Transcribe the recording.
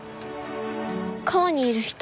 川にいる人。